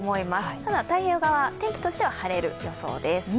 ただ、太平洋側、天気としては晴れる予想です。